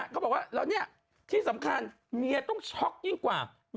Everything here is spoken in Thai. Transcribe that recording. เขาบอกว่าแล้วเนี่ยที่สำคัญเมียต้องช็อกยิ่งกว่า